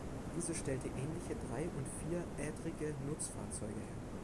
Diese stellte ähnliche drei- und vierrädrige Nutzfahrzeuge her.